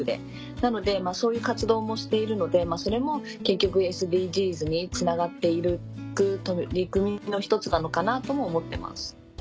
なのでそういう活動もしているのでそれも結局ＳＤＧｓにつながって行く取り組みの１つなのかなとも思ってます。